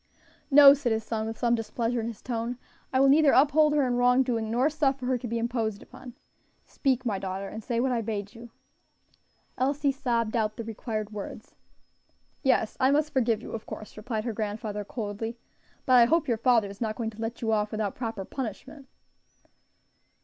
"No," said his son, with some displeasure in his tone; "I will neither uphold her in wrongdoing, nor suffer her to be imposed upon. Speak, my daughter, and say what I bade you." Elsie sobbed out the required words. "Yes, I must forgive you, of course," replied her grandfather, coldly, "but I hope your father is not going to let you off without proper punishment."